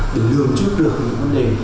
để lường trước được những vấn đề